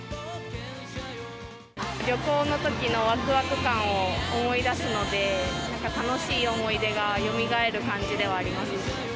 旅行のときのわくわく感を思い出すので、楽しい思い出がよみがえる感じではあります。